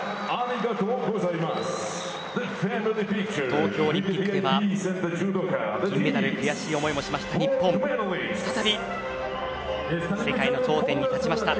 東京オリンピックでは銀メダルで悔しい思いをした日本、再び世界の頂点に立ちました。